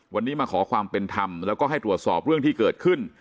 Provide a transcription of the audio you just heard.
วันนี้มาขอความเป็นธรรมแล้วก็ให้ตรวจสอบเรื่องที่เกิดขึ้น